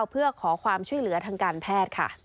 เพื่อขอความช่วยเหลือทางการแพทย์ค่ะ